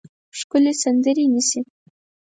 ښکلې سندرې نیسي